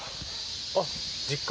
あっ実家？